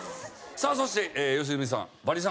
さあそして良純さんバリ３。